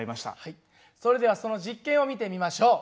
それではその実験を見てみましょう。